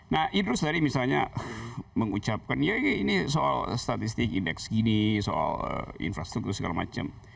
nah idrus tadi misalnya mengucapkan ya ini soal statistik indeks gini soal infrastruktur segala macam